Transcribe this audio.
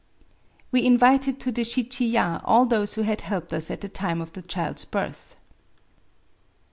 We invited to the shichiya ^ all those who had helped us at the time of the child's birth.